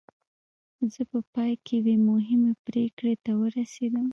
زه په پای کې یوې مهمې پرېکړې ته ورسېدم